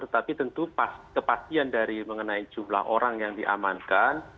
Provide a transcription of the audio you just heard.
tetapi tentu kepastian dari mengenai jumlah orang yang diamankan